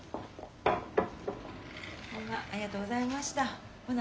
ホンマありがとうございましたほな